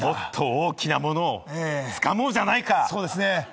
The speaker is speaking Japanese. もっと大きなものをつかもうじゃないか！